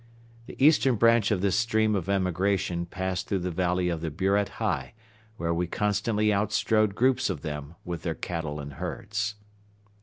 The eastern branch of this stream of emigration passed through the valley of the Buret Hei, where we constantly outstrode groups of them with their cattle and herds.